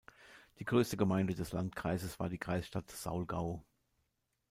Die größte Gemeinde des Landkreises war die Kreisstadt Saulgau.